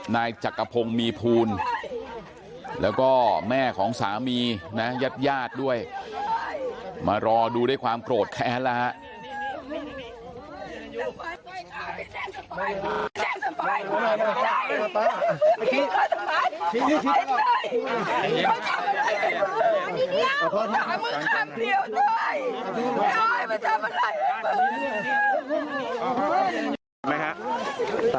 นายจักรพงศ์มีภูลแล้วก็แม่ของสามีนะญาติญาติด้วยมารอดูด้วยความโกรธแค้นแล้วฮะ